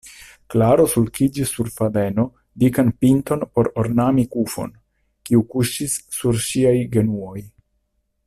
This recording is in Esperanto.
Klaro sulkigis sur fadeno dikan pinton por ornami kufon, kiu kuŝis sur ŝiaj genuoj.